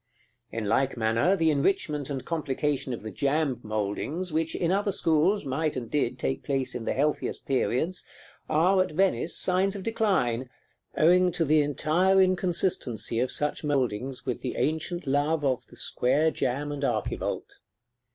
In like manner, the enrichment and complication of the jamb mouldings, which, in other schools, might and did take place in the healthiest periods, are, at Venice, signs of decline, owing to the entire inconsistency of such mouldings with the ancient love of the single square jamb and archivolt.